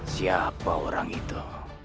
siapa orang itu